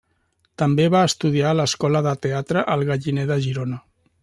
També va estudiar a l'escola de teatre El Galliner de Girona.